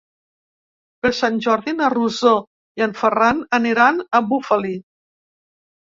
Per Sant Jordi na Rosó i en Ferran aniran a Bufali.